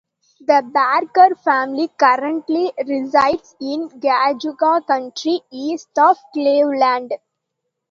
The Barker family currently resides in Geauga County east of Cleveland.